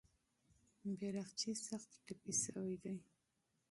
بیرغچی سخت زخمي سوی دی.